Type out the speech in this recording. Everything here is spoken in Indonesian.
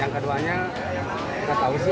yang keduanya kita tahu sih